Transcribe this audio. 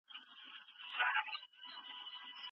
چار چتې بازار سوځېد